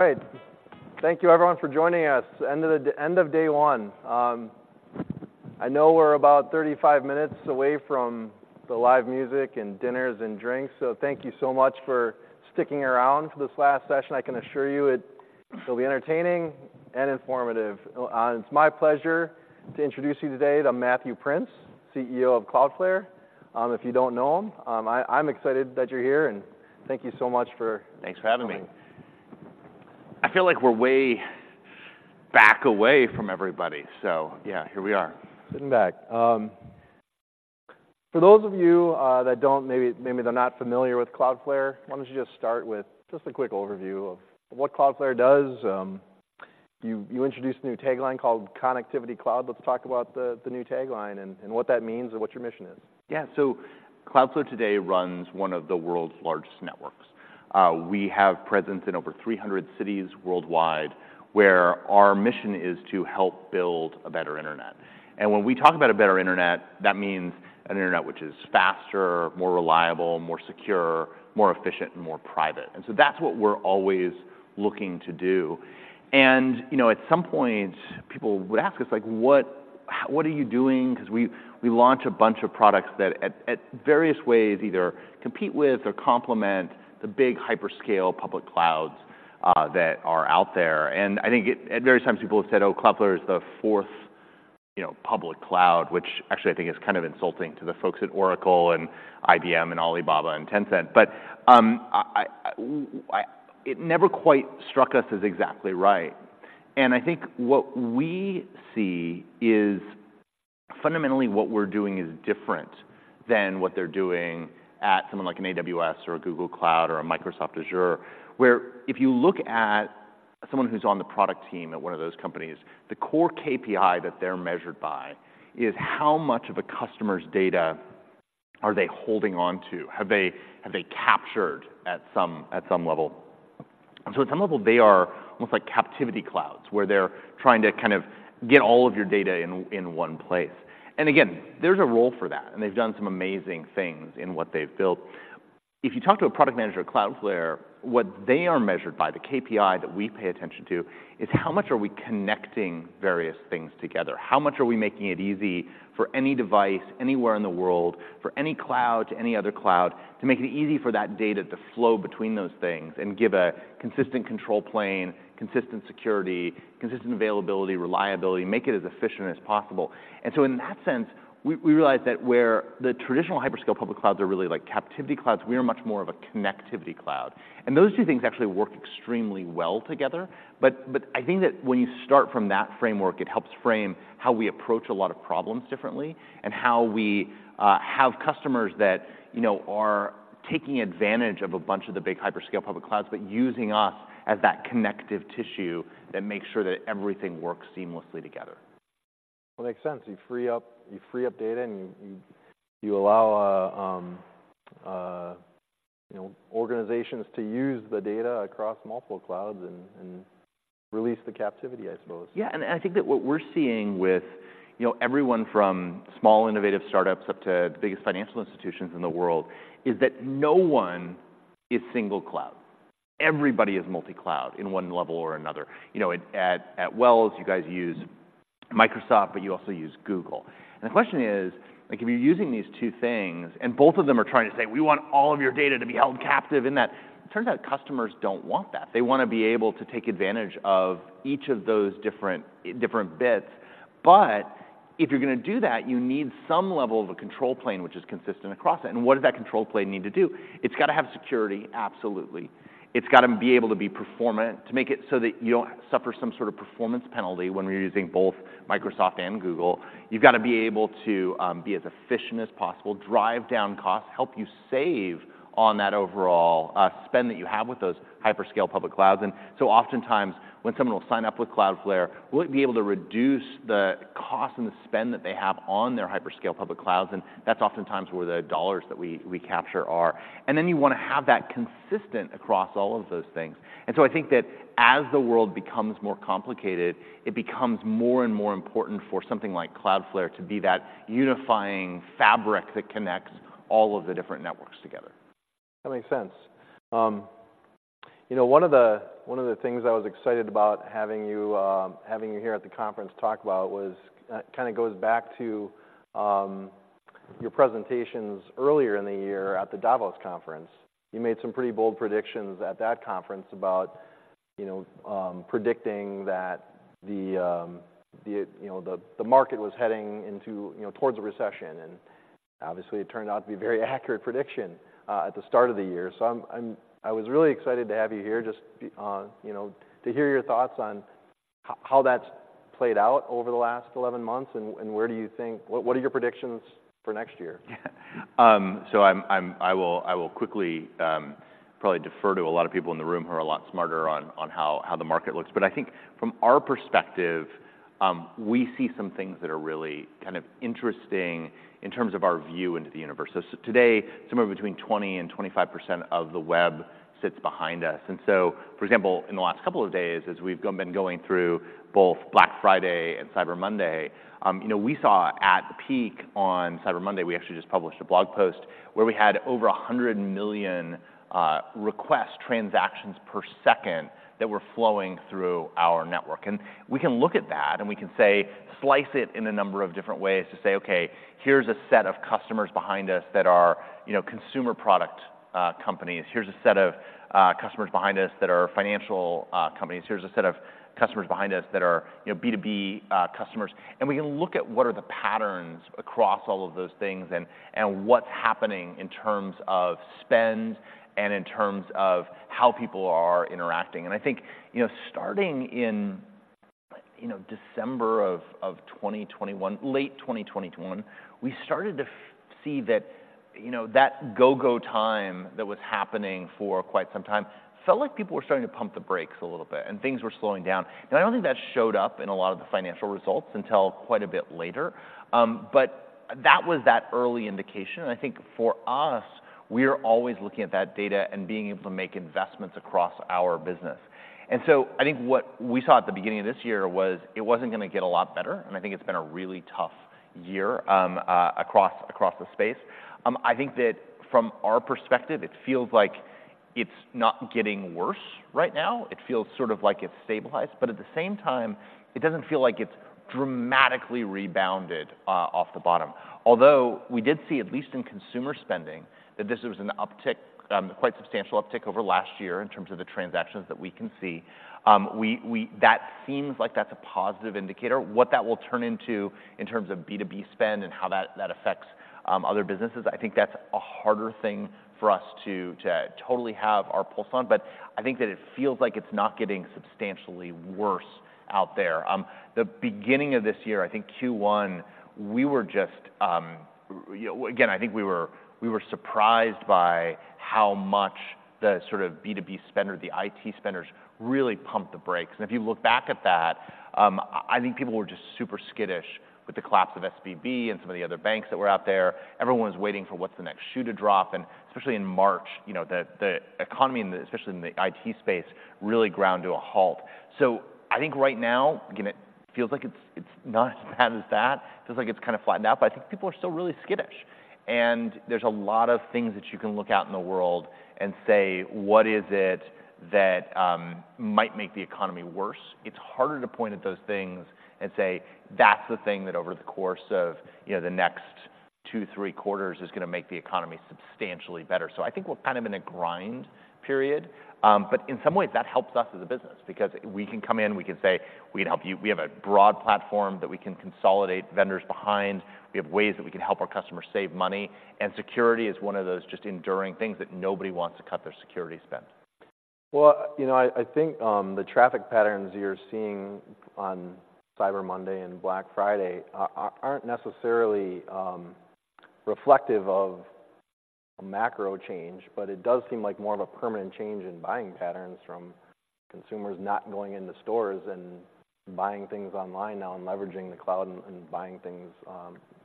All right. Thank you everyone for joining us. End of day one. I know we're about 35 minutes away from the live music, and dinners, and drinks, so thank you so much for sticking around for this last session. I can assure you, it, it'll be entertaining and informative. And it's my pleasure to introduce you today to Matthew Prince, CEO of Cloudflare. If you don't know him, I'm excited that you're here, and thank you so much for coming. Thanks for having me. I feel like we're way back away from everybody, so yeah, here we are. Sitting back. For those of you that don't, maybe they're not familiar with Cloudflare, why don't you just start with just a quick overview of what Cloudflare does? You introduced a new tagline called Connectivity Cloud. Let's talk about the new tagline and what that means, and what your mission is. Yeah. So Cloudflare today runs one of the world's largest networks. We have presence in over 300 cities worldwide, where our mission is to help build a better internet. And when we talk about a better internet, that means an internet which is faster, more reliable, more secure, more efficient, and more private. And so that's what we're always looking to do. And, you know, at some point, people would ask us, like, "What- what are you doing?" 'Cause we launch a bunch of products that, in various ways, either compete with or complement the big hyperscale public clouds that are out there. And I think at various times people have said, "Oh, Cloudflare is the fourth, you know, public cloud," which actually I think is kind of insulting to the folks at Oracle, and IBM, and Alibaba, and Tencent. But, it never quite struck us as exactly right, and I think what we see is... fundamentally, what we're doing is different than what they're doing at someone like an AWS, or a Google Cloud, or a Microsoft Azure, where if you look at someone who's on the product team at one of those companies, the core KPI that they're measured by is how much of a customer's data are they holding onto, have they, have they captured at some, at some level? And so at some level, they are almost like captivity clouds, where they're trying to kind of get all of your data in, in one place. And again, there's a role for that, and they've done some amazing things in what they've built. If you talk to a product manager at Cloudflare, what they are measured by, the KPI that we pay attention to, is how much are we connecting various things together? How much are we making it easy for any device, anywhere in the world, for any cloud to any other cloud, to make it easy for that data to flow between those things and give a consistent control plane, consistent security, consistent availability, reliability, make it as efficient as possible? And so in that sense, we realize that where the traditional hyperscale public clouds are really like captive clouds, we are much more of a Connectivity Cloud. Those two things actually work extremely well together, but I think that when you start from that framework, it helps frame how we approach a lot of problems differently, and how we have customers that, you know, are taking advantage of a bunch of the big hyperscale public clouds, but using us as that connective tissue that makes sure that everything works seamlessly together. Well, it makes sense. You free up, you free up data, and you allow, you know, organizations to use the data across multiple clouds and release the captivity, I suppose. Yeah, and I think that what we're seeing with, you know, everyone from small innovative startups up to the biggest financial institutions in the world, is that no one is single cloud. Everybody is multi-cloud in one level or another. You know, at Wells, you guys use Microsoft, but you also use Google. And the question is, like, if you're using these two things, and both of them are trying to say, "We want all of your data to be held captive in that," it turns out customers don't want that. They wanna be able to take advantage of each of those different bits. But if you're gonna do that, you need some level of a control plane which is consistent across it, and what does that control plane need to do? It's gotta have security, absolutely. It's gotta be able to be performant, to make it so that you don't suffer some sort of performance penalty when you're using both Microsoft and Google. You've gotta be able to be as efficient as possible, drive down costs, help you save on that overall spend that you have with those hyperscale public clouds. And so oftentimes, when someone will sign up with Cloudflare, we'll be able to reduce the cost and the spend that they have on their hyperscale public clouds, and that's oftentimes where the dollars that we, we capture are. And then you wanna have that consistent across all of those things. And so I think that as the world becomes more complicated, it becomes more and more important for something like Cloudflare to be that unifying fabric that connects all of the different networks together. That makes sense. You know, one of the, one of the things I was excited about having you, having you here at the conference to talk about was, kinda goes back to, your presentations earlier in the year at the Davos conference. You made some pretty bold predictions at that conference about, you know, predicting that the, the, you know, the, the market was heading into, you know, towards a recession, and obviously, it turned out to be a very accurate prediction, at the start of the year. So I'm, I'm... I was really excited to have you here, just be, you know, to hear your thoughts on-... how, how that's played out over the last 11 months, and, and where do you think-- what, what are your predictions for next year? So I will quickly probably defer to a lot of people in the room who are a lot smarter on how the market looks. But I think from our perspective, we see some things that are really kind of interesting in terms of our view into the universe. So today, somewhere between 20% and 25% of the web sits behind us. And so, for example, in the last couple of days, as we've been going through both Black Friday and Cyber Monday, you know, we saw at the peak on Cyber Monday, we actually just published a blog post, where we had over 100 million request transactions per second that were flowing through our network. And we can look at that, and we can say, slice it in a number of different ways to say, "Okay, here's a set of customers behind us that are, you know, consumer product companies. Here's a set of customers behind us that are financial companies. Here's a set of customers behind us that are, you know, B2B customers." And we can look at what are the patterns across all of those things and what's happening in terms of spend and in terms of how people are interacting. And I think, you know, starting in, you know, December of 2021, late 2021, we started to see that, you know, that go-go time that was happening for quite some time, felt like people were starting to pump the brakes a little bit, and things were slowing down. I don't think that showed up in a lot of the financial results until quite a bit later. But that was that early indication, and I think for us, we are always looking at that data and being able to make investments across our business. So I think what we saw at the beginning of this year was, it wasn't gonna get a lot better, and I think it's been a really tough year across the space. I think that from our perspective, it feels like it's not getting worse right now. It feels sort of like it's stabilized, but at the same time, it doesn't feel like it's dramatically rebounded off the bottom. Although, we did see, at least in consumer spending, that this was an uptick, a quite substantial uptick over last year in terms of the transactions that we can see. That seems like that's a positive indicator. What that will turn into in terms of B2B spend and how that affects other businesses, I think that's a harder thing for us to totally have our pulse on. But I think that it feels like it's not getting substantially worse out there. The beginning of this year, I think Q1, we were just, you know. Again, I think we were surprised by how much the sort of B2B spender, the IT spenders, really pumped the brakes. If you look back at that, I think people were just super skittish with the collapse of SVB and some of the other banks that were out there. Everyone was waiting for what's the next shoe to drop, and especially in March, you know, the economy, and especially in the IT space, really ground to a halt. I think right now, again, it feels like it's not as bad as that. It feels like it's kinda flattened out, but I think people are still really skittish. There's a lot of things that you can look out in the world and say: What is it that might make the economy worse? It's harder to point at those things and say, "That's the thing that over the course of, you know, the next 2, 3 quarters, is gonna make the economy substantially better." So I think we're kind of in a grind period, but in some ways, that helps us as a business because we can come in, we can say, "We'd help you..." We have a broad platform that we can consolidate vendors behind. We have ways that we can help our customers save money, and security is one of those just enduring things, that nobody wants to cut their security spend. Well, you know, I think the traffic patterns you're seeing on Cyber Monday and Black Friday aren't necessarily reflective of a macro change, but it does seem like more of a permanent change in buying patterns from consumers not going into stores and buying things online now and leveraging the cloud and buying things,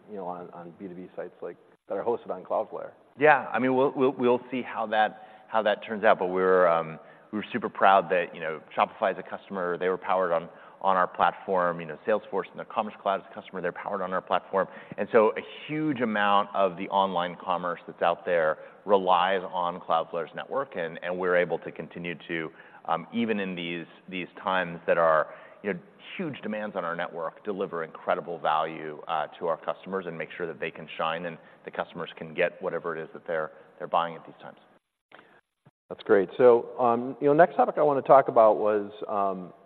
you know, on B2B sites like that are hosted on Cloudflare. Yeah, I mean, we'll see how that turns out. But we're super proud that, you know, Shopify is a customer. They were powered on our platform. You know, Salesforce and their Commerce Cloud is a customer, they're powered on our platform. And so a huge amount of the online commerce that's out there relies on Cloudflare's network, and we're able to continue to, even in these times that are, you know, huge demands on our network, deliver incredible value to our customers and make sure that they can shine, and the customers can get whatever it is that they're buying at these times. That's great. So, you know, next topic I wanna talk about was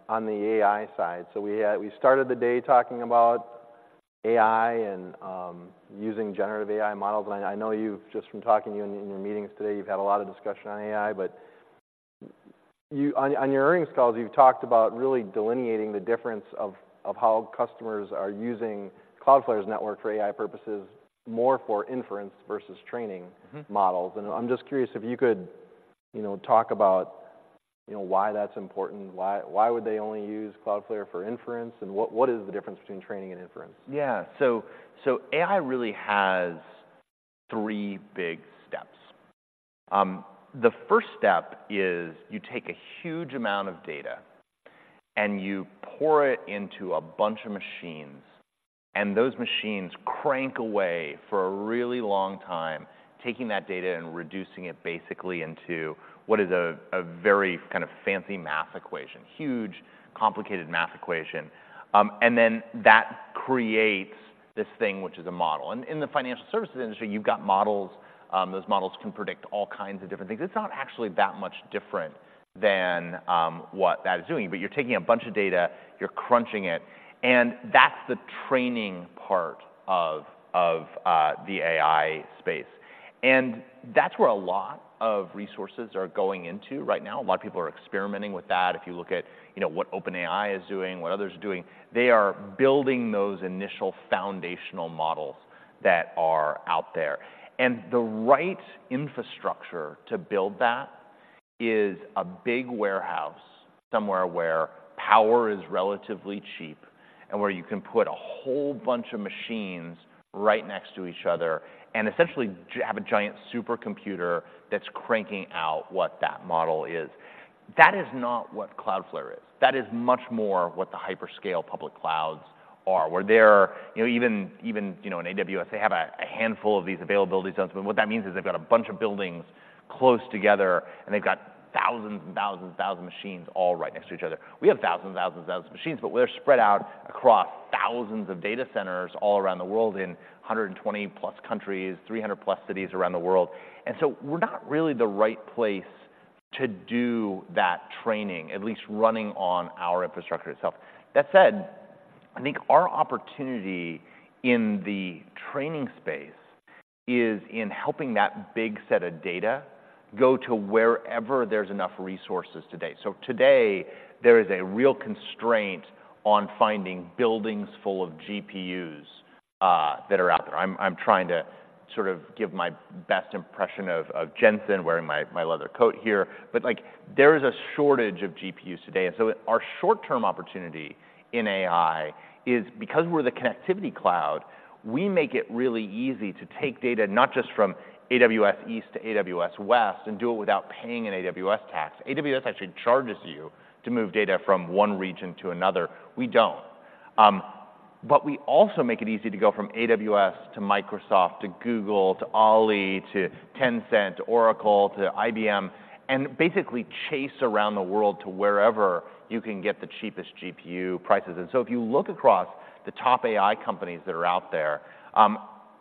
on the AI side. So we started the day talking about AI and using generative AI models. And I know you've, just from talking to you in your meetings today, you've had a lot of discussion on AI, but you, on your earnings calls, you've talked about really delineating the difference of how customers are using Cloudflare's network for AI purposes, more for inference versus training- Mm-hmm... models. I'm just curious if you could, you know, talk about, you know, why that's important. Why, why would they only use Cloudflare for inference, and what, what is the difference between training and inference? Yeah. So AI really has three big steps. The first step is, you take a huge amount of data, and you pour it into a bunch of machines, and those machines crank away for a really long time, taking that data and reducing it basically into what is a very kind of fancy math equation, huge, complicated math equation. And then that creates this thing, which is a model. And in the financial services industry, you've got models, those models can predict all kinds of different things. It's not actually that much different than what that is doing. But you're taking a bunch of data, you're crunching it, and that's the training part of the AI space. And that's where a lot of resources are going into right now. A lot of people are experimenting with that. If you look at, you know, what OpenAI is doing, what others are doing, they are building those initial foundational models that are out there. And the right infrastructure to build that is a big warehouse somewhere where power is relatively cheap, and where you can put a whole bunch of machines right next to each other and essentially have a giant supercomputer that's cranking out what that model is. That is not what Cloudflare is. That is much more what the hyperscale public clouds are, where they're, you know, even in AWS, they have a handful of these availability zones. But what that means is they've got a bunch of buildings close together, and they've got thousands and thousands and thousands of machines all right next to each other. We have thousands and thousands and thousands of machines, but we're spread out across thousands of data centers all around the world in 120+ countries, 300+ cities around the world. So we're not really the right place to do that training, at least running on our infrastructure itself. That said, I think our opportunity in the training space is in helping that big set of data go to wherever there's enough resources today. Today, there is a real constraint on finding buildings full of GPUs that are out there. I'm trying to sort of give my best impression of Jensen, wearing my leather coat here, but, like, there is a shortage of GPUs today. Our short-term opportunity in AI is because we're the Connectivity Cloud, we make it really easy to take data, not just from AWS East to AWS West, and do it without paying an AWS tax. AWS actually charges you to move data from one region to another. We don't. But we also make it easy to go from AWS to Microsoft, to Google, to Alibaba, to Tencent, to Oracle, to IBM, and basically chase around the world to wherever you can get the cheapest GPU prices. And so if you look across the top AI companies that are out there,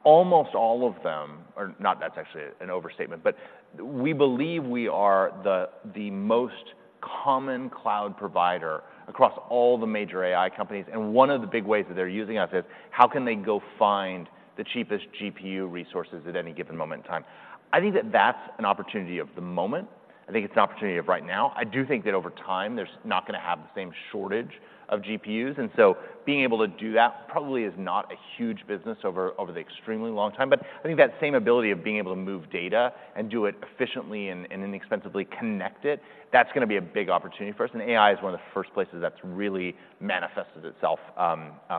almost all of them or not, that's actually an overstatement, but we believe we are the, the most common cloud provider across all the major AI companies, and one of the big ways that they're using us is: how can they go find the cheapest GPU resources at any given moment in time? I think that that's an opportunity of the moment. I think it's an opportunity of right now. I do think that over time, there's not gonna have the same shortage of GPUs, and so being able to do that probably is not a huge business over, over the extremely long time. But I think that same ability of being able to move data and do it efficiently and inexpensively, connect it, that's gonna be a big opportunity for us, and AI is one of the first places that's really manifested itself,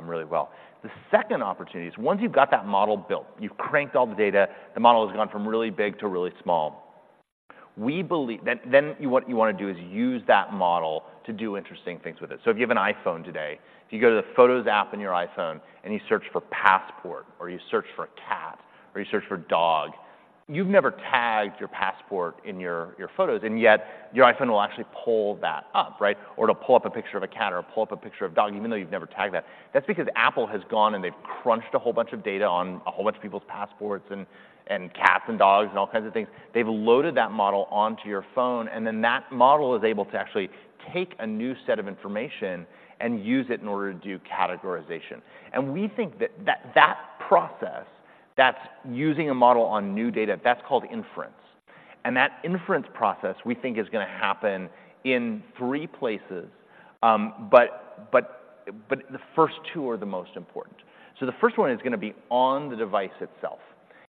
really well. The second opportunity is once you've got that model built, you've cranked all the data, the model has gone from really big to really small. We believe. Then what you wanna do is use that model to do interesting things with it. So if you have an iPhone today, if you go to the Photos app on your iPhone and you search for passport, or you search for cat, or you search for dog, you've never tagged your passport in your photos, and yet your iPhone will actually pull that up, right? Or it'll pull up a picture of a cat or pull up a picture of a dog, even though you've never tagged that. That's because Apple has gone and they've crunched a whole bunch of data on a whole bunch of people's passports and, and cats and dogs, and all kinds of things. They've loaded that model onto your phone, and then that model is able to actually take a new set of information and use it in order to do categorization. And we think that process, that's using a model on new data, that's called inference. And that inference process, we think, is gonna happen in three places, but the first two are the most important. So the first one is gonna be on the device itself.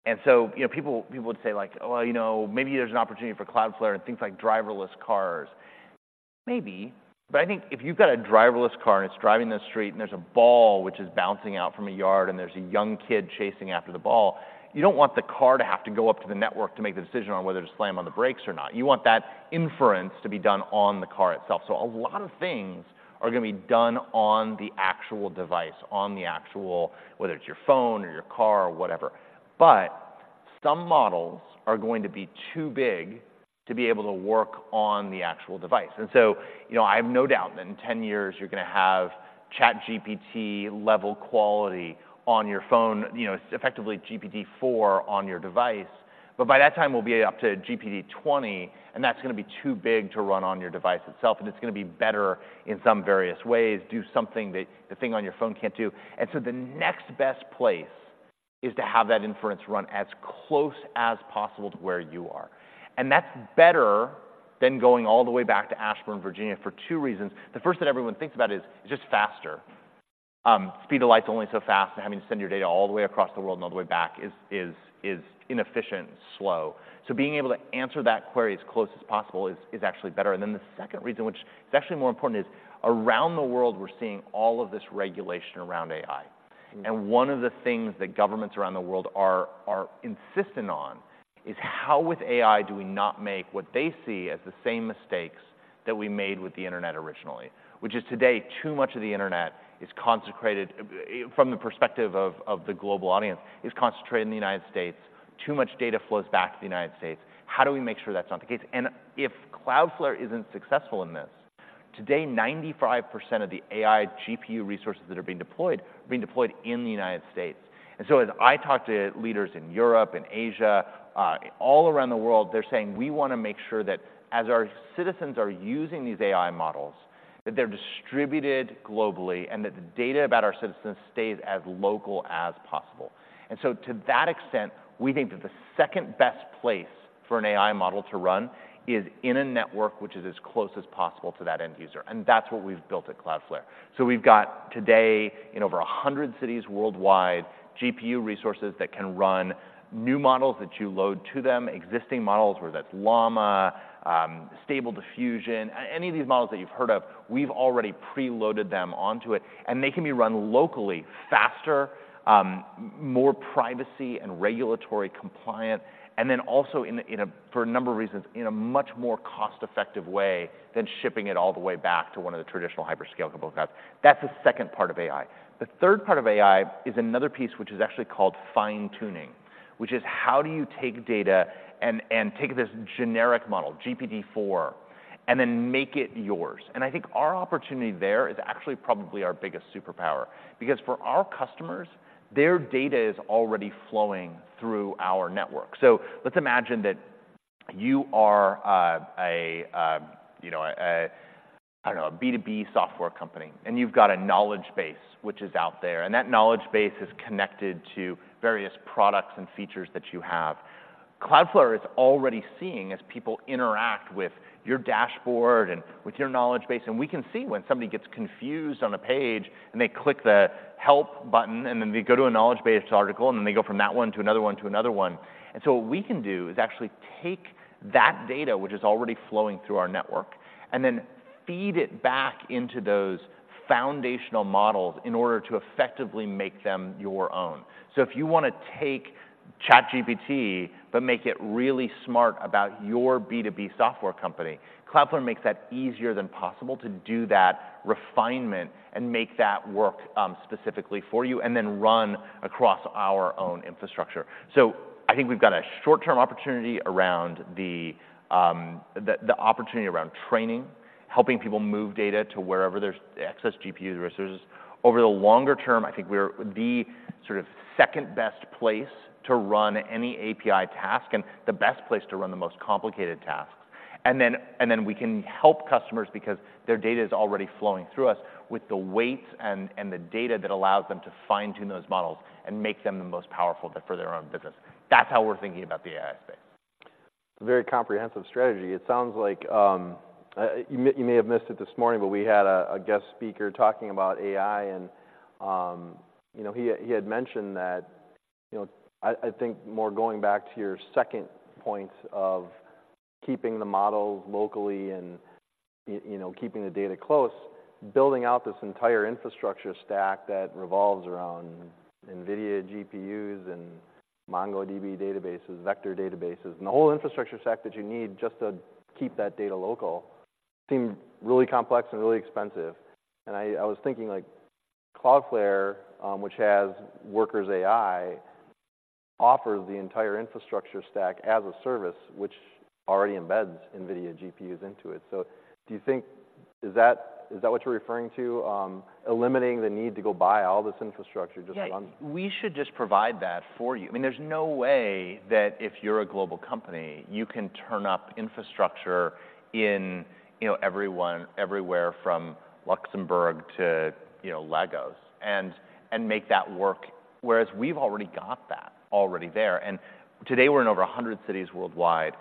And so, you know, people would say like: "Well, you know, maybe there's an opportunity for Cloudflare and things like driverless cars." Maybe, but I think if you've got a driverless car and it's driving down the street and there's a ball which is bouncing out from a yard and there's a young kid chasing after the ball, you don't want the car to have to go up to the network to make the decision on whether to slam on the brakes or not. You want that inference to be done on the car itself. So a lot of things are gonna be done on the actual device, on the actual... whether it's your phone or your car or whatever. But some models are going to be too big to be able to work on the actual device. You know, I have no doubt that in 10 years you're gonna have ChatGPT-level quality on your phone, you know, effectively GPT-4 on your device, but by that time, we'll be up to GPT-20, and that's gonna be too big to run on your device itself, and it's gonna be better in some various ways, do something that the thing on your phone can't do. So the next best place is to have that inference run as close as possible to where you are. And that's better than going all the way back to Ashburn, Virginia, for two reasons. The first that everyone thinks about is it's just faster. Speed of light's only so fast, and having to send your data all the way across the world and all the way back is inefficient and slow. So being able to answer that query as close as possible is actually better. And then the second reason, which is actually more important, is around the world, we're seeing all of this regulation around AI. One of the things that governments around the world are insistent on is: how with AI do we not make what they see as the same mistakes that we made with the Internet originally? Which is today, too much of the Internet is concentrated, from the perspective of the global audience, is concentrated in the United States. Too much data flows back to the United States. How do we make sure that's not the case? And if Cloudflare isn't successful in this—today, 95% of the AI GPU resources that are being deployed are being deployed in the United States. And so as I talk to leaders in Europe and Asia, all around the world, they're saying, "We wanna make sure that as our citizens are using these AI models, that they're distributed globally, and that the data about our citizens stays as local as possible." And so to that extent, we think that the second-best place for an AI model to run is in a network which is as close as possible to that end user, and that's what we've built at Cloudflare. So we've got, today, in over 100 cities worldwide, GPU resources that can run new models that you load to them, existing models, whether that's Llama, Stable Diffusion. Any of these models that you've heard of, we've already preloaded them onto it, and they can be run locally, faster, more privacy and regulatory compliant, and then also, for a number of reasons, in a much more cost-effective way than shipping it all the way back to one of the traditional hyperscale public clouds. That's the second part of AI. The third part of AI is another piece, which is actually called fine-tuning, which is, how do you take data and take this generic model, GPT-4, and then make it yours? And I think our opportunity there is actually probably our biggest superpower because for our customers, their data is already flowing through our network. So let's imagine that you are, you know, I don't know, a B2B software company, and you've got a knowledge base which is out there, and that knowledge base is connected to various products and features that you have. Cloudflare is already seeing as people interact with your dashboard and with your knowledge base, and we can see when somebody gets confused on a page, and they click the Help button, and then they go to a knowledge base article, and then they go from that one to another one to another one. And so what we can do is actually take that data, which is already flowing through our network, and then feed it back into those foundational models in order to effectively make them your own. So if you wanna take ChatGPT but make it really smart about your B2B software company, Cloudflare makes that easier than possible to do that refinement and make that work, specifically for you and then run across our own infrastructure. So I think we've got a short-term opportunity around the opportunity around training, helping people move data to wherever there's excess GPU resources. Over the longer term, I think we're the sort of second-best place to run any API task, and the best place to run the most complicated tasks. And then we can help customers because their data is already flowing through us with the weights and the data that allows them to fine-tune those models and make them the most powerful for their own business. That's how we're thinking about the AI space. It's a very comprehensive strategy. It sounds like you may have missed it this morning, but we had a guest speaker talking about AI and, you know, he had mentioned that, you know, I think more going back to your second point of keeping the models locally and you know, keeping the data close, building out this entire infrastructure stack that revolves around NVIDIA GPUs and MongoDB databases, vector databases, and the whole infrastructure stack that you need just to keep that data local seemed really complex and really expensive. And I was thinking, like, Cloudflare, which has Workers AI, offers the entire infrastructure stack as a service, which already embeds NVIDIA GPUs into it. So do you think. Is that, is that what you're referring to, eliminating the need to go buy all this infrastructure just to run- Yeah, we should just provide that for you. I mean, there's no way that if you're a global company, you can turn up infrastructure in, you know, everyone, everywhere from Luxembourg to, you know, Lagos and, and make that work, whereas we've already got that already there. And today, we're in over 100 cities worldwide.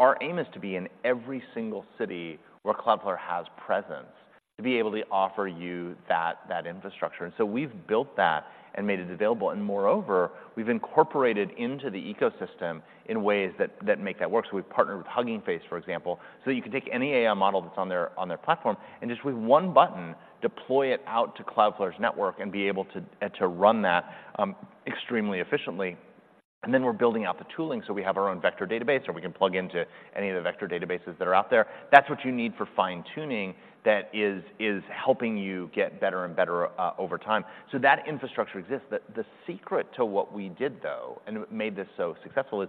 Our aim is to be in every single city where Cloudflare has presence, to be able to offer you that, that infrastructure. And so we've built that and made it available, and moreover, we've incorporated into the ecosystem in ways that, that make that work. So we've partnered with Hugging Face, for example, so that you can take any AI model that's on their, on their platform, and just with one button, deploy it out to Cloudflare's network and be able to, to run that extremely efficiently. Then we're building out the tooling, so we have our own vector database, or we can plug into any of the vector databases that are out there. That's what you need for fine-tuning, that is, helping you get better and better over time. So that infrastructure exists. The secret to what we did, though, and what made this so successful is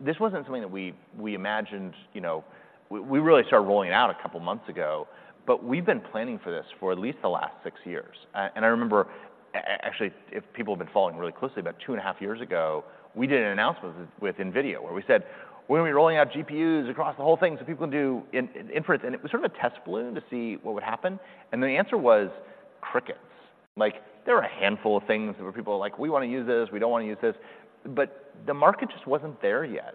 this wasn't something that we imagined, you know. We really started rolling it out a couple months ago, but we've been planning for this for at least the last six years. And I remember, actually, if people have been following really closely, about 2.5 years ago, we did an announcement with NVIDIA, where we said, "We're going to be rolling out GPUs across the whole thing so people can do inference." And it was sort of a test balloon to see what would happen, and the answer was crickets. Like, there were a handful of things where people were like: "We want to use this, we don't want to use this," but the market just wasn't there yet.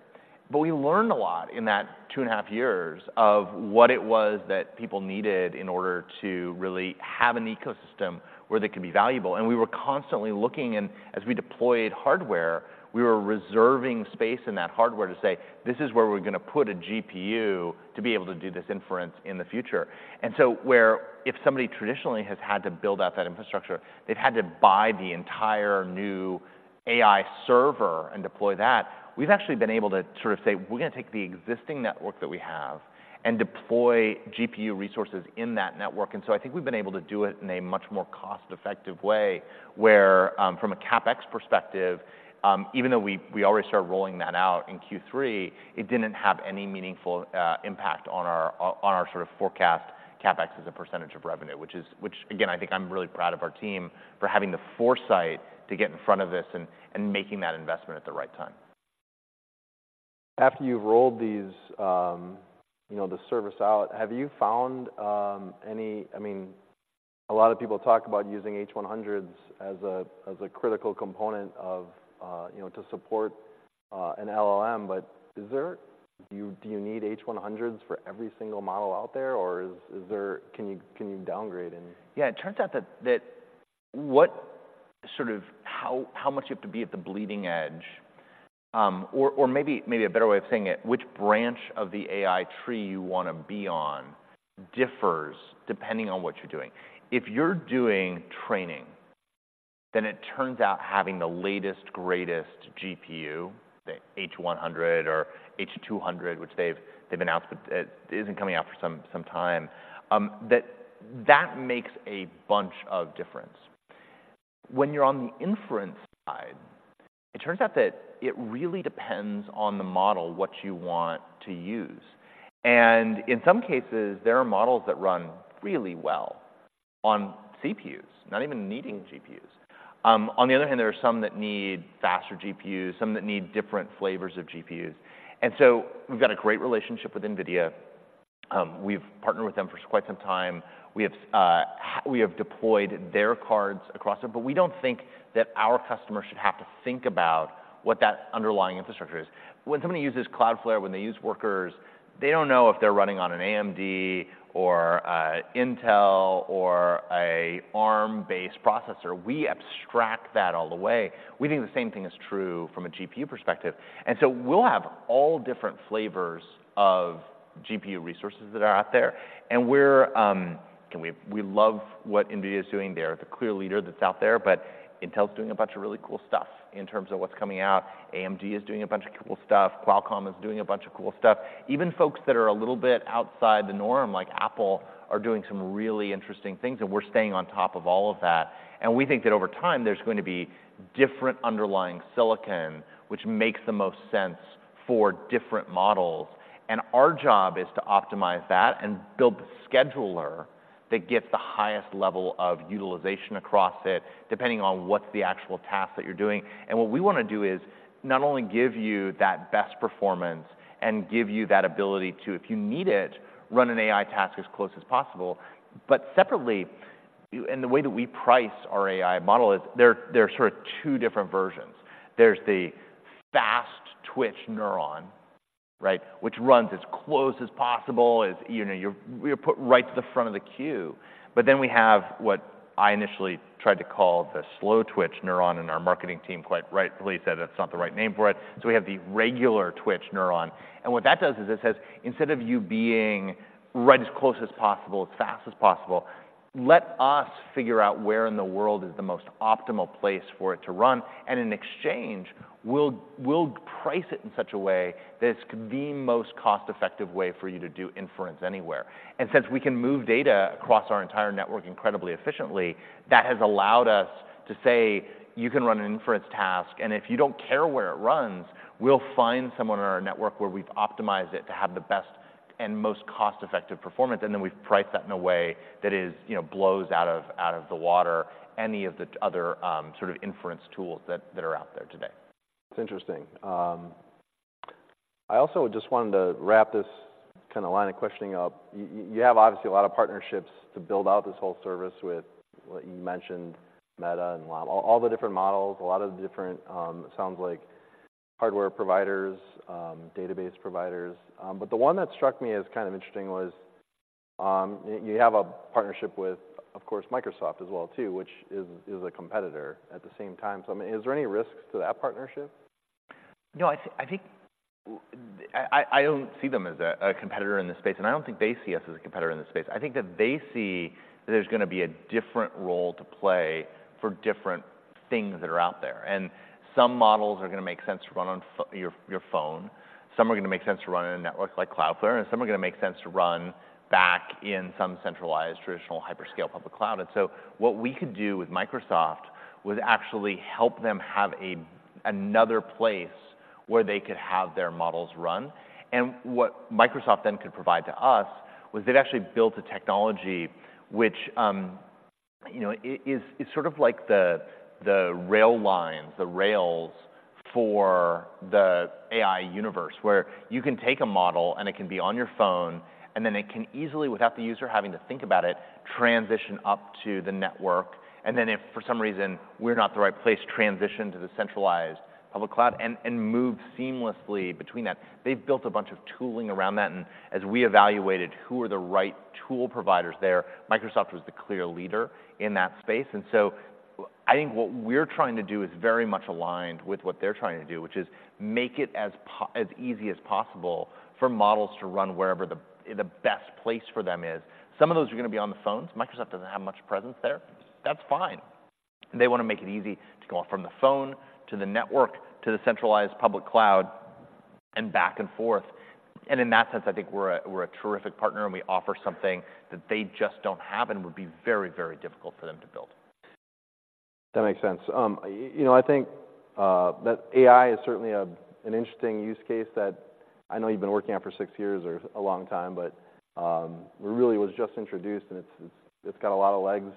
But we learned a lot in that 2.5 years of what it was that people needed in order to really have an ecosystem where they could be valuable, and we were constantly looking, and as we deployed hardware, we were reserving space in that hardware to say, "This is where we're gonna put a GPU to be able to do this inference in the future." And so where if somebody traditionally has had to build out that infrastructure, they've had to buy the entire new AI server and deploy that. We've actually been able to sort of say: "We're gonna take the existing network that we have and deploy GPU resources in that network." And so I think we've been able to do it in a much more cost-effective way, where, from a CapEx perspective, even though we already started rolling that out in Q3, it didn't have any meaningful impact on our, on our sort of forecast CapEx as a percentage of revenue, which, again, I think I'm really proud of our team for having the foresight to get in front of this and making that investment at the right time. ... after you've rolled these, you know, the service out, have you found any? I mean, a lot of people talk about using H100s as a critical component of, you know, to support an LLM. But is there— do you need H100s for every single model out there, or is there— can you downgrade any? Yeah, it turns out that what sort of how much you have to be at the bleeding edge, or maybe a better way of saying it, which branch of the AI tree you wanna be on differs depending on what you're doing. If you're doing training, then it turns out having the latest, greatest GPU, the H100 or H200, which they've announced, but isn't coming out for some time, that makes a bunch of difference. When you're on the inference side, it turns out that it really depends on the model, what you want to use. And in some cases, there are models that run really well on CPUs, not even needing GPUs. On the other hand, there are some that need faster GPUs, some that need different flavors of GPUs. And so we've got a great relationship with NVIDIA. We've partnered with them for quite some time. We have deployed their cards across it, but we don't think that our customers should have to think about what that underlying infrastructure is. When somebody uses Cloudflare, when they use Workers, they don't know if they're running on an AMD or a Intel or a Arm-based processor. We abstract that all away. We think the same thing is true from a GPU perspective, and so we'll have all different flavors of GPU resources that are out there. And we love what NVIDIA is doing there. It's a clear leader that's out there, but Intel's doing a bunch of really cool stuff in terms of what's coming out. AMD is doing a bunch of cool stuff. Qualcomm is doing a bunch of cool stuff. Even folks that are a little bit outside the norm, like Apple, are doing some really interesting things, and we're staying on top of all of that. We think that over time, there's going to be different underlying silicon, which makes the most sense for different models, and our job is to optimize that and build the scheduler that gets the highest level of utilization across it, depending on what's the actual task that you're doing. What we wanna do is not only give you that best performance and give you that ability to, if you need it, run an AI task as close as possible. But separately, you—and the way that we price our AI model is there, there are sort of two different versions. There's the fast twitch neuron, right? Which runs as close as possible, as, you know, you're, you're put right to the front of the queue. But then we have what I initially tried to call the slow twitch neuron, and our marketing team quite rightfully said that's not the right name for it. So we have the regular twitch neuron, and what that does is it says, "Instead of you being right as close as possible, as fast as possible, let us figure out where in the world is the most optimal place for it to run, and in exchange, we'll price it in such a way that it's the most cost-effective way for you to do inference anywhere." And since we can move data across our entire network incredibly efficiently, that has allowed us to say, "You can run an inference task, and if you don't care where it runs, we'll find someone in our network where we've optimized it to have the best and most cost-effective performance." And then we've priced that in a way that is, you know, blows out of the water any of the other sort of inference tools that are out there today. It's interesting. I also just wanted to wrap this kind of line of questioning up. You have, obviously, a lot of partnerships to build out this whole service with what you mentioned, Meta and LLM, all, all the different models, a lot of different, sounds like hardware providers, database providers. But the one that struck me as kind of interesting was, you have a partnership with, of course, Microsoft as well, too, which is, is a competitor at the same time. So, I mean, is there any risks to that partnership? No, I think... I don't see them as a competitor in this space, and I don't think they see us as a competitor in this space. I think that they see that there's gonna be a different role to play for different things that are out there, and some models are gonna make sense to run on your phone. Some are gonna make sense to run on a network like Cloudflare, and some are gonna make sense to run back in some centralized, traditional, hyperscale public cloud. And so what we could do with Microsoft would actually help them have another place where they could have their models run. And what Microsoft then could provide to us was they've actually built a technology which, you know, it is, it's sort of like the, the rail lines, the rails for the AI universe, where you can take a model, and it can be on your phone, and then it can easily, without the user having to think about it, transition up to the network. And then if for some reason we're not the right place, transition to the centralized public cloud and, and move seamlessly between that. They've built a bunch of tooling around that, and as we evaluated who are the right tool providers there, Microsoft was the clear leader in that space. And so I think what we're trying to do is very much aligned with what they're trying to do, which is make it as easy as possible for models to run wherever the best place for them is. Some of those are gonna be on the phones. Microsoft doesn't have much presence there. That's fine. They wanna make it easy to go from the phone to the network, to the centralized public cloud, and back and forth. And in that sense, I think we're a, we're a terrific partner, and we offer something that they just don't have and would be very, very difficult for them to build. That makes sense. You know, I think that AI is certainly an interesting use case. I know you've been working on it for six years, or a long time, but it really was just introduced, and it's got a lot of legs.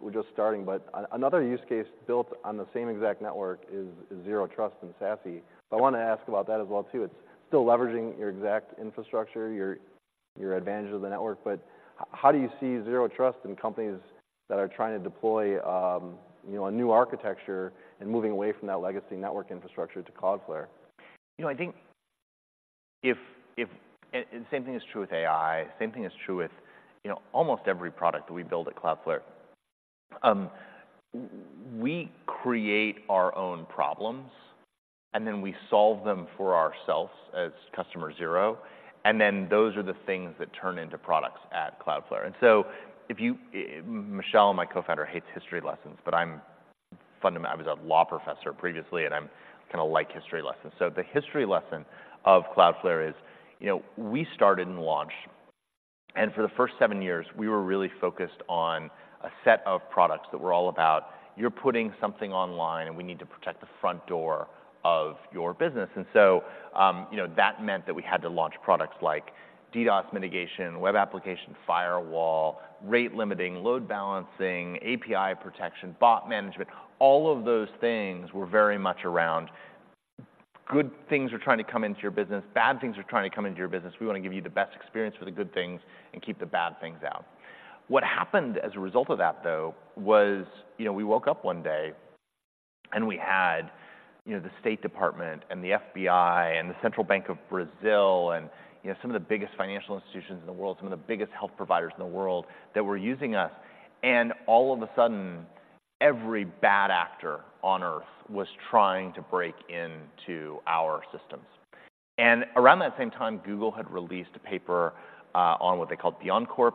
We're just starting. But another use case built on the same exact network is Zero Trust and SASE. I wanna ask about that as well, too. It's still leveraging your exact infrastructure, your advantage of the network, but how do you see Zero Trust in companies that are trying to deploy, you know, a new architecture and moving away from that legacy network infrastructure to Cloudflare? You know, I think and same thing is true with AI, same thing is true with, you know, almost every product that we build at Cloudflare. We create our own problems, and then we solve them for ourselves as Customer Zero, and then those are the things that turn into products at Cloudflare. And so Michelle, my co-founder, hates history lessons, but I was a law professor previously, and kinda like history lessons. So the history lesson of Cloudflare is, you know, we started and launched, and for the first seven years, we were really focused on a set of products that were all about, you're putting something online, and we need to protect the front door of your business. And so, you know, that meant that we had to launch products like DDoS mitigation, web application firewall, rate limiting, load balancing, API protection, bot management. All of those things were very much around good things are trying to come into your business, bad things are trying to come into your business. We wanna give you the best experience for the good things and keep the bad things out. What happened as a result of that, though, was, you know, we woke up one day and we had, you know, the State Department and the FBI and the Central Bank of Brazil and, you know, some of the biggest financial institutions in the world, some of the biggest health providers in the world, that were using us, and all of a sudden, every bad actor on Earth was trying to break into our systems. And around that same time, Google had released a paper on what they called BeyondCorp,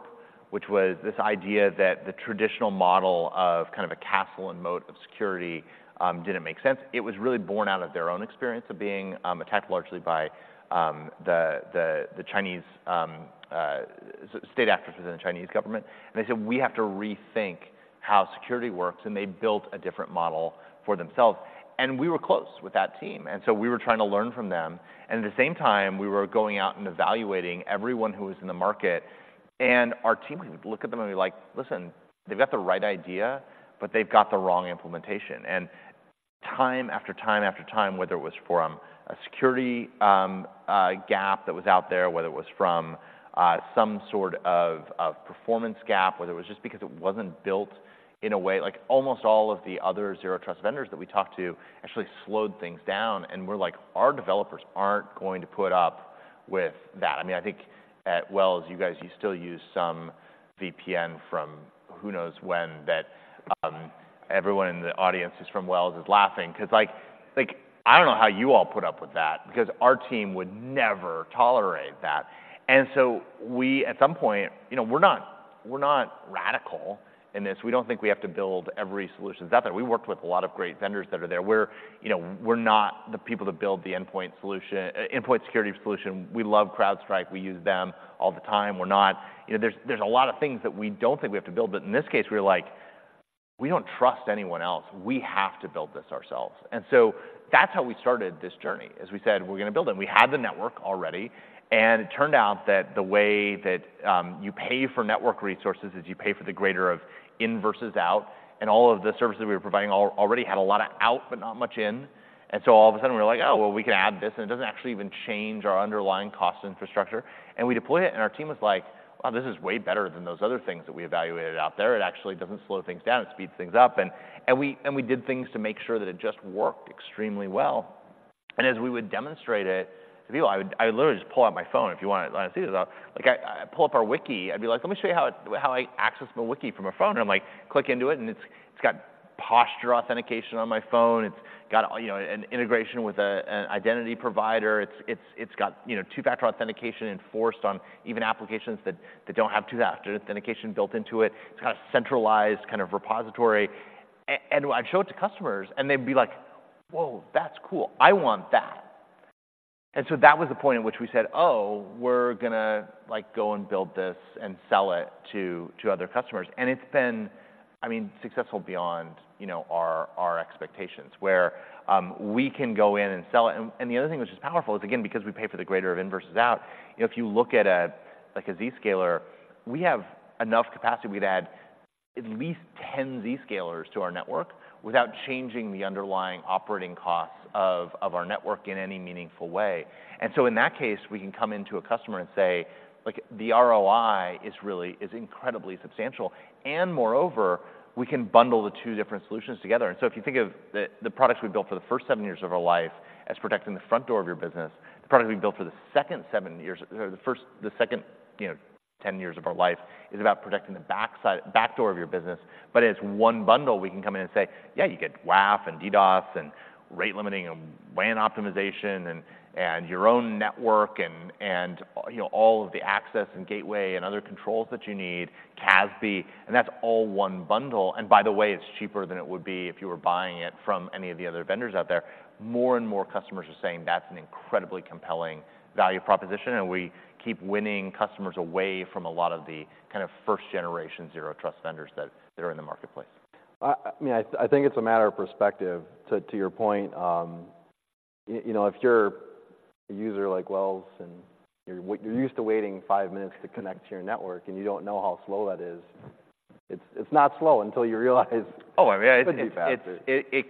which was this idea that the traditional model of kind of a castle and moat of security didn't make sense. It was really born out of their own experience of being attacked largely by the Chinese state actors in the Chinese government. And they said, "We have to rethink how security works," and they built a different model for themselves, and we were close with that team, and so we were trying to learn from them. At the same time, we were going out and evaluating everyone who was in the market, and our team would look at them and be like: "Listen, they've got the right idea, but they've got the wrong implementation." Time after time after time, whether it was from a security gap that was out there, whether it was from some sort of performance gap, whether it was just because it wasn't built in a way... Like, almost all of the other Zero Trust vendors that we talked to actually slowed things down, and we're like, "Our developers aren't going to put up with that." I mean, I think at Wells, you guys, you still use some VPN from who knows when, that... Everyone in the audience who's from Wells is laughing, 'cause, like, I don't know how you all put up with that, because our team would never tolerate that. And so we, at some point, you know, we're not, we're not radical in this. We don't think we have to build every solution out there. We worked with a lot of great vendors that are there. We're, you know, we're not the people that build the endpoint solution, endpoint security solution. We love CrowdStrike. We use them all the time. We're not, you know, there's a lot of things that we don't think we have to build, but in this case, we were like: We don't trust anyone else. We have to build this ourselves. And so that's how we started this journey. As we said, we're gonna build it. We had the network already, and it turned out that the way that you pay for network resources is you pay for the greater of in versus out, and all of the services we were providing already had a lot of out, but not much in. And so all of a sudden, we were like: "Oh, well, we can add this, and it doesn't actually even change our underlying cost infrastructure." And we deploy it, and our team was like: "Wow, this is way better than those other things that we evaluated out there. It actually doesn't slow things down. It speeds things up." And we did things to make sure that it just worked extremely well. And as we would demonstrate it to people, I would literally just pull out my phone if you want to see this. Like, I pull up our wiki. I'd be like: "Let me show you how it- how I access my wiki from a phone." And I'm like, click into it, and it's got posture authentication on my phone. It's got, you know, an integration with an identity provider. It's got, you know, two-factor authentication enforced on even applications that don't have two-factor authentication built into it. It's got a centralized kind of repository. And I'd show it to customers, and they'd be like: "Whoa, that's cool! I want that." And so that was the point at which we said: "Oh, we're gonna, like, go and build this and sell it to other customers." And it's been, I mean, successful beyond, you know, our expectations, where we can go in and sell it... And the other thing which is powerful is, again, because we pay for the greater of in versus out, you know, if you look at, like, a Zscaler, we have enough capacity, we'd add at least 10 Zscalers to our network without changing the underlying operating costs of our network in any meaningful way. And so in that case, we can come into a customer and say, like, the ROI is really incredibly substantial, and moreover, we can bundle the two different solutions together. And so if you think of the products we built for the first seven years of our life as protecting the front door of your business, the products we built for the second seven years or the first, the second, you know, 10 years of our life is about protecting the backside back door of your business. But as one bundle, we can come in and say, "Yeah, you get WAF and DDoS and rate limiting and WAN optimization and your own network and you know all of the access and gateway and other controls that you need, CASB," and that's all one bundle. And by the way, it's cheaper than it would be if you were buying it from any of the other vendors out there. More and more customers are saying that's an incredibly compelling value proposition, and we keep winning customers away from a lot of the kind of first-generation Zero Trust vendors that are in the marketplace.... I mean, I think it's a matter of perspective. To your point, you know, if you're a user like Wells, and you're used to waiting five minutes to connect to your network, and you don't know how slow that is, it's not slow until you realize - Oh, I mean, I- It could be faster.... It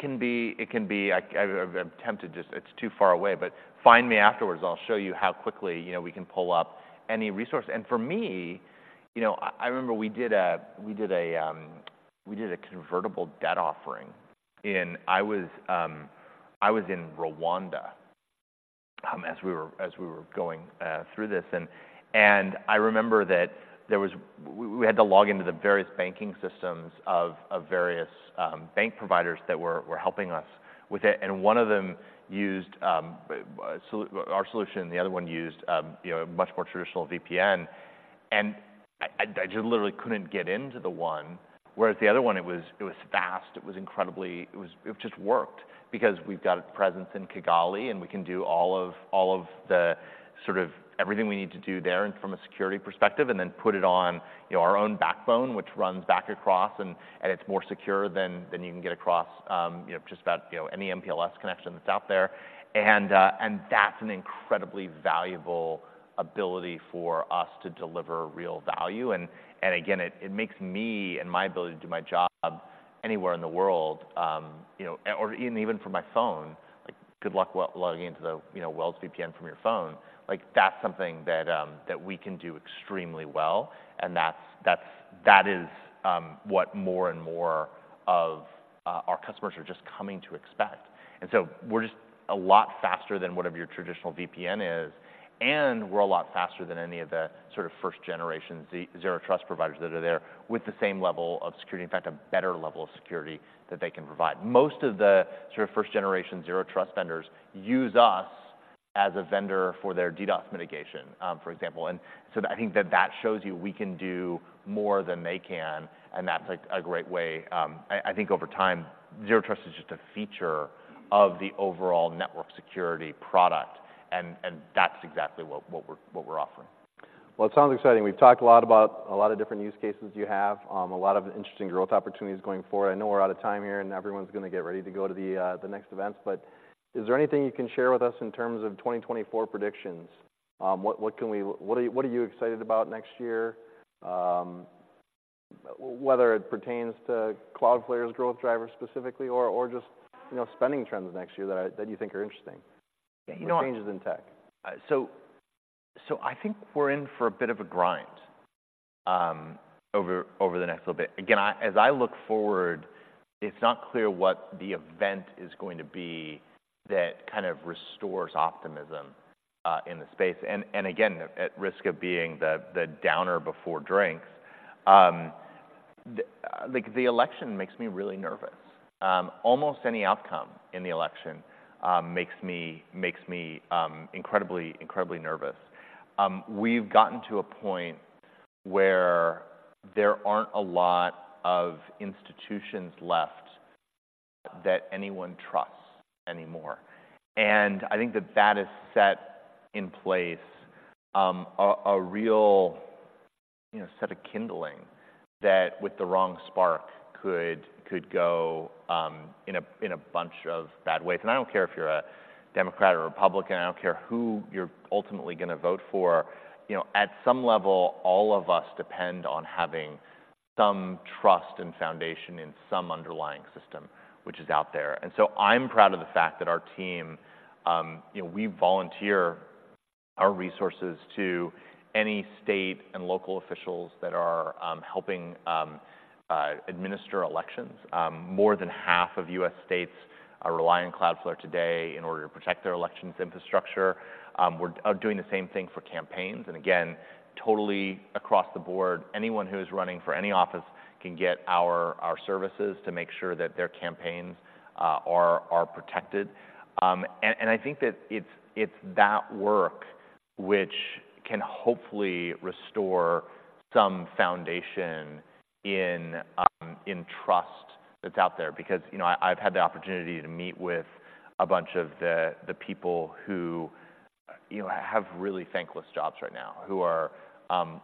can be. I'm tempted to just... It's too far away, but find me afterwards, and I'll show you how quickly, you know, we can pull up any resource. And for me, you know, I remember we did a convertible debt offering, and I was in Rwanda as we were going through this. And I remember that we had to log into the various banking systems of various bank providers that were helping us with it, and one of them used our solution, the other one used, you know, a much more traditional VPN. And I just literally couldn't get into the one, whereas the other one, it was fast, it was incredibly... It was it just worked. Because we've got a presence in Kigali, and we can do all of, all of the sort of everything we need to do there and from a security perspective, and then put it on, you know, our own backbone, which runs back across, and it's more secure than you can get across, you know, just about, you know, any MPLS connection that's out there. And that's an incredibly valuable ability for us to deliver real value. And again, it makes me and my ability to do my job anywhere in the world, you know, or even from my phone like good luck with logging into the, you know, Wells VPN from your phone. Like, that's something that we can do extremely well, and that is what more and more of our customers are just coming to expect. And so we're just a lot faster than whatever your traditional VPN is, and we're a lot faster than any of the sort of first-generation Zero Trust providers that are there, with the same level of security, in fact, a better level of security, that they can provide. Most of the sort of first-generation Zero Trust vendors use us as a vendor for their DDoS mitigation, for example. And so I think that shows you we can do more than they can, and that's, like, a great way... I think over time, Zero Trust is just a feature of the overall network security product, and that's exactly what we're offering. Well, it sounds exciting. We've talked a lot about a lot of different use cases you have, a lot of interesting growth opportunities going forward. I know we're out of time here, and everyone's gonna get ready to go to the next events, but is there anything you can share with us in terms of 2024 predictions? What are you excited about next year? Whether it pertains to Cloudflare's growth drivers specifically or just, you know, spending trends next year that you think are interesting- Yeah, you know what? Changes in tech. So, I think we're in for a bit of a grind over the next little bit. Again, as I look forward, it's not clear what the event is going to be that kind of restores optimism in the space. And again, at risk of being the downer before drinks... Like, the election makes me really nervous. Almost any outcome in the election makes me incredibly nervous. We've gotten to a point where there aren't a lot of institutions left that anyone trusts anymore, and I think that has set in place a real, you know, set of kindling that, with the wrong spark, could go in a bunch of bad ways. I don't care if you're a Democrat or Republican, I don't care who you're ultimately gonna vote for, you know, at some level, all of us depend on having some trust and foundation in some underlying system which is out there. So I'm proud of the fact that our team, you know, we volunteer our resources to any state and local officials that are helping administer elections. More than half of U.S. states rely on Cloudflare today in order to protect their elections infrastructure. We're doing the same thing for campaigns, and again, totally across the board, anyone who is running for any office can get our services to make sure that their campaigns are protected. And I think that it's that work which can hopefully restore some foundation in trust that's out there. Because, you know, I, I've had the opportunity to meet with a bunch of the, the people who, you know, have really thankless jobs right now, who are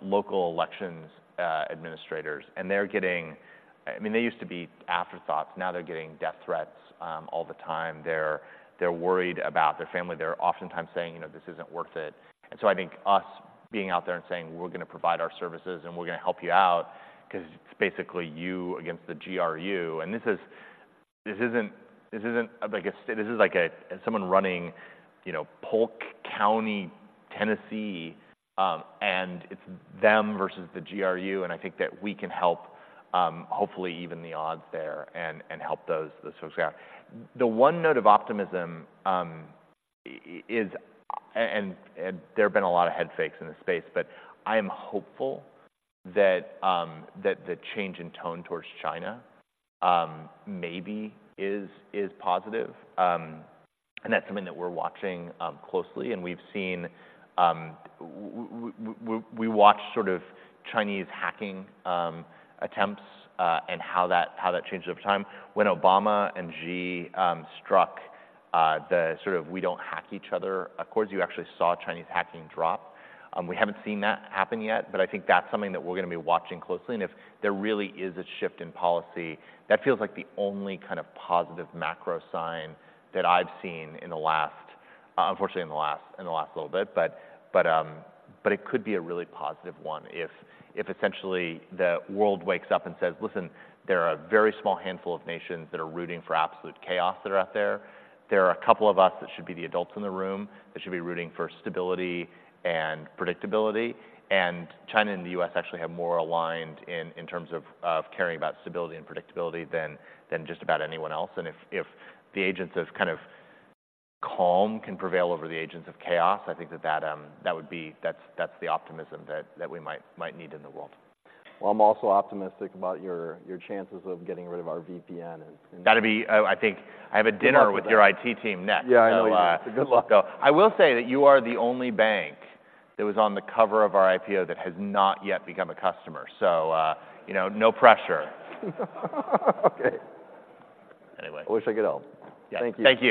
local elections administrators, and they're getting... I mean, they used to be afterthoughts, now they're getting death threats all the time. They're worried about their family. They're oftentimes saying, "You know, this isn't worth it." And so I think us being out there and saying: We're gonna provide our services, and we're gonna help you out, 'cause it's basically you against the GRU. And this isn't like a... This is like someone running, you know, Polk County, Tennessee, and it's them versus the GRU, and I think that we can help hopefully even the odds there and help those folks out. The one note of optimism is... There have been a lot of head fakes in this space, but I am hopeful that the change in tone towards China maybe is positive. And that's something that we're watching closely, and we've seen... We watch sort of Chinese hacking attempts, and how that changes over time. When Obama and Xi struck the sort of we-don't-hack-each-other accords, you actually saw Chinese hacking drop. We haven't seen that happen yet, but I think that's something that we're gonna be watching closely, and if there really is a shift in policy, that feels like the only kind of positive macro sign that I've seen in the last, unfortunately, in the last little bit. But it could be a really positive one if essentially the world wakes up and says, "Listen, there are a very small handful of nations that are rooting for absolute chaos that are out there. There are a couple of us that should be the adults in the room, that should be rooting for stability and predictability." And China and the U.S. actually have more aligned in terms of caring about stability and predictability than just about anyone else, and if the agents of kind of calm can prevail over the agents of chaos, I think that would be that's the optimism that we might need in the world. Well, I'm also optimistic about your chances of getting rid of our VPN and- That'd be... I think I have a dinner- Good luck with that.... with your IT team next. Yeah, I know you do. Good luck, though. I will say that you are the only bank that was on the cover of our IPO that has not yet become a customer, so, you know, no pressure. Okay. Anyway. I wish I could help. Yeah. Thank you.